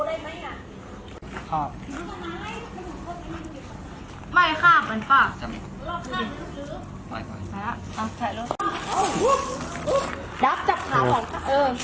อีกหมดเนี่ย